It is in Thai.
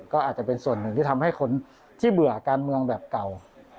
ก็อาจจะเป็นส่วนหนึ่งที่ทำให้คนที่เบื่อการเมืองแบบเก่า